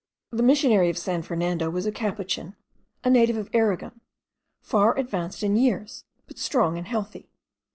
The missionary of San Fernando was a Capuchin, a native of Aragon, far advanced in years, but strong and healthy.